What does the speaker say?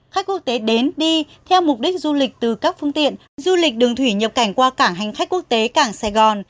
khách quốc tế đến đi theo mục đích du lịch từ các phương tiện du lịch đường thủy nhập cảnh qua cảng hành khách quốc tế cảng sài gòn